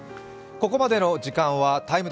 ここまでの時間は「ＴＩＭＥ’」。